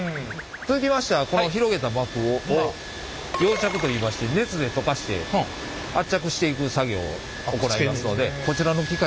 続きましてはこの広げた膜を溶着といいまして熱で溶かして圧着していく作業を行いますので。